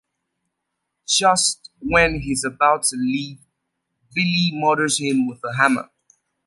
Just when he's about to leave Billy murders him with a hammer.